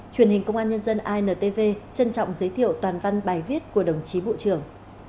truyền hình công an nhân dân intv trân trọng giới thiệu toàn văn bài viết của đồng chí bộ trưởng